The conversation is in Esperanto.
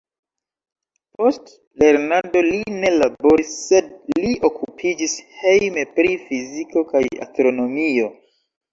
Post lernado li ne laboris, sed li okupiĝis hejme pri fiziko kaj astronomio.